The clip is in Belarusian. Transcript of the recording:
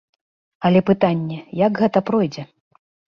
Але пытанне, як гэта пройдзе.